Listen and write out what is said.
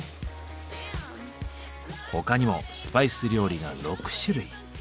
他にもスパイス料理が６種類。